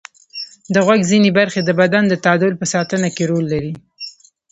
د غوږ ځینې برخې د بدن د تعادل په ساتنه کې رول لري.